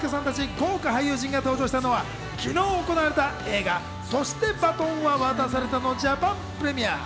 豪華俳優陣が登場したのは昨日行われた映画『そして、バトンは渡された』のジャパンプレミア。